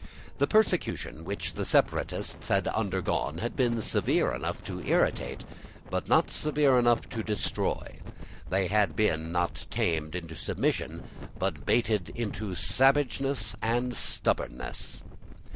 The persecution which the separatists had undergone had been severe enough to irritate, but not severe enough to destroy. They had been, not tamed into submission, but baited into savageness and stubborness.